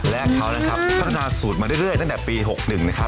และเขานะครับพัฒนาสูตรมาเรื่อยตั้งแต่ปี๖๑นะครับ